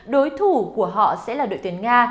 đối thủ của họ sẽ là đội tuyển nga